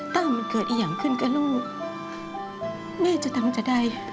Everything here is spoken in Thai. ถ้ามันเกิดอีกอย่างขึ้นกับลูกแม่จะทำจะได้